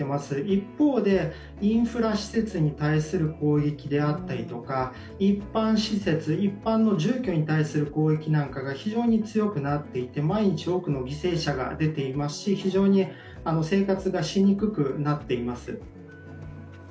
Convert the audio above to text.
一方で、インフラ施設に対する攻撃であったりとか、一般施設、一般の住居に対する攻撃なんかが非常に多くなっていて毎日多くの犠牲者が出ていますし非常に生活がしにくくなっています。